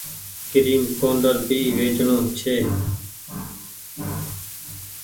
ڪريم پوڊر ڀي ويچڻو ڇي۔